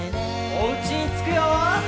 おうちにつくよ！